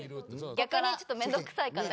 逆にちょっとめんどくさいから。